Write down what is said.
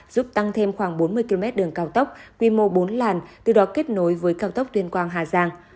giúp tăng thêm khoảng bốn mươi km đường cao tốc quy mô bốn làn từ đó kết nối với cao tốc tuyên quang hà giang